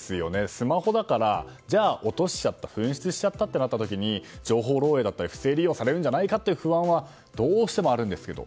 スマホだからじゃあ落としちゃった紛失したとなった時情報漏洩だったり不正利用されるんじゃないかと不安はどうしてもあるんですけど。